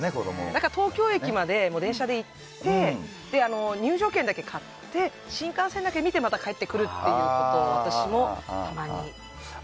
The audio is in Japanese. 東京駅まで電車で行って入場券だけ買って新幹線だけ見て帰ってくるということを私もたまにしますね。